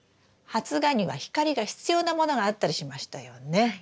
発芽には光が必要なものがあったりしましたよね。